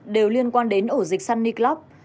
đều liên quan đến ổ dịch sunny club